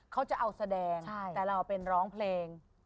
เขาจะเอาแสดงแต่เราเป็นร้องเพลง